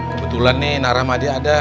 kebetulan nih naramadi ada